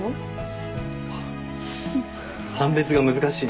あっ判別が難しい。